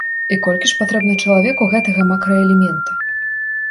А колькі ж патрэбна чалавеку гэтага макраэлемента?